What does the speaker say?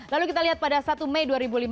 lalu kita lihat pada satu mei dua ribu lima belas